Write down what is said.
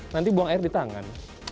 nanti buang air di tangan